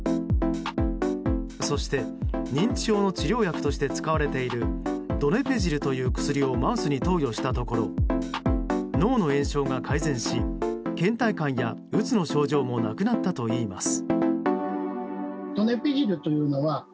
そして認知症の治療薬として使われているドネペジルという薬をマウスに投与したところ脳の炎症が改善し倦怠感や、うつの症状もなくなったといいます。